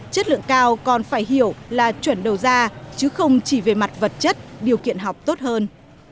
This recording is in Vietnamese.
chất lượng cao còn phải hiểu là chuẩn đầu ra chứ không chỉ về mặt vật chất điều kiện học tốt hơn